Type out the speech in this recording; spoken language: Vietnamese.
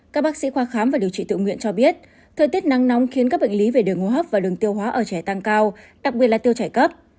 các bác sĩ khoa khám và điều trị tự nguyện cho biết thời tiết nắng nóng khiến các bệnh lý về đường hô hấp và đường tiêu hóa ở trẻ tăng cao đặc biệt là tiêu chảy cấp